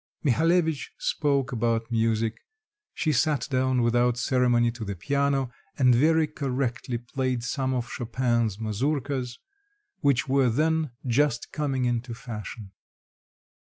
Mihalevitch spoke about music; she sat down without ceremony to the piano, and very correctly played some of Chopin's mazurkas, which were then just coming into fashion.